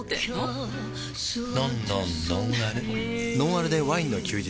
「ノンアルでワインの休日」